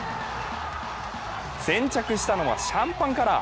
先着したのはシャンパンカラー。